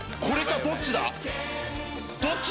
どっちだ？